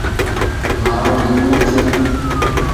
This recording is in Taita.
Mao ni uja